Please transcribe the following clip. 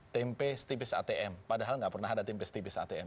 tempe setipis atm padahal nggak pernah ada tempe setipis atm